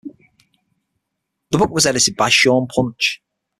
The book was edited by Sean Punch.